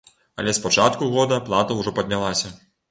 Але з пачатку года плата ўжо паднялася!